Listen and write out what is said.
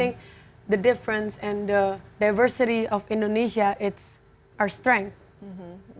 dan saya pikir perbedaan dan kebanyakan indonesia adalah kekuatan kita